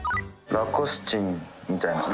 「ラコスチンみたいな」